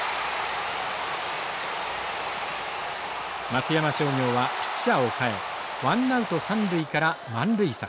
松山商業はピッチャーを代えワンナウト三塁から満塁策。